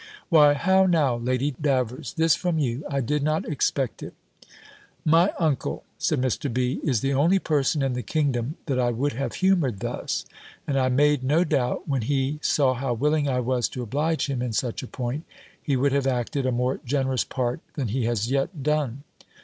"Why, how now, Lady Davers! This from you! I did not expect it!" "My uncle," said Mr. B., "is the only person in the kingdom that I would have humoured thus: and I made no doubt, when he saw how willing I was to oblige him in such a point, he would have acted a more generous part than he has yet done.